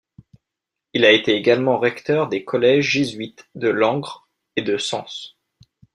Il a été également recteur des collèges jésuites de Langres et de Sens.